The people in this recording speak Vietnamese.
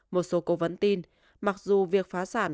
một số cố vấn tin mặc dù việc phá sản